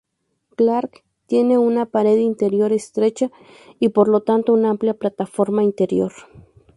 Clark tiene una pared interior estrecha, y por lo tanto un amplia plataforma interior.